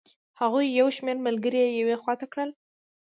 هغوی یو شمېر ملګري یې یوې خوا ته کړل.